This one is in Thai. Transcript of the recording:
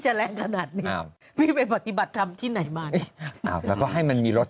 จะแรงขนาดนี้ไม่เป็นปฏิบัติทำที่ไหนมาแล้วก็ให้มันมีรส